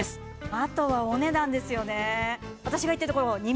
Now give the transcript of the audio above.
あとはお値段ですよね